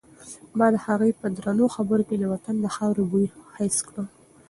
ما د هغې په درنو خبرو کې د وطن د خاورې بوی حس کړ.